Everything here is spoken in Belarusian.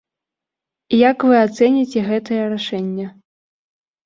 Як вы ацэніце гэтае рашэнне?